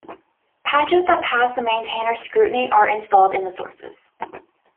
Patches that pass the maintainers' scrutiny are installed in the sources.